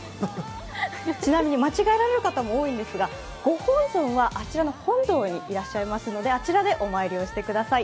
ちなみに間違えられる方も多いんですがご本尊はあちらの本堂にいらっしゃいますのであちらでお参りをしてください。